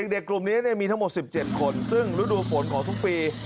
เด็กกลุ่มนี้มีทั้งหมด๑๗คนซึ่งฤดูฝนของทุกปี